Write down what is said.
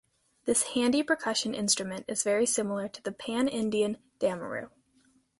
This handy percussion instrument is very similar to the pan-Indian damaru.